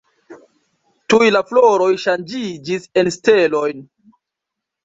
Tuj la floroj ŝanĝiĝis en stelojn.